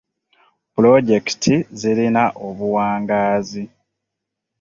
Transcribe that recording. Puloojekiti zirina obuwangaazi.